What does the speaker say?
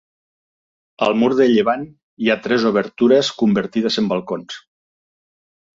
Al mur de llevant hi ha tres obertures convertides en balcons.